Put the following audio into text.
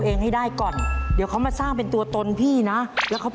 เข้าสู่คำถามถ่ายของข้อที่๔ครับ